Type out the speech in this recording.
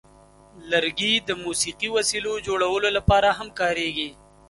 لرګي د موسیقي وسیلو جوړولو لپاره هم کارېږي.